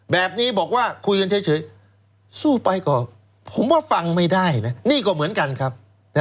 แบบนี้บอกว่าคุยกันเฉยสู้ไปก็ผมว่าฟังไม่ได้นะนี่ก็เหมือนกันครับ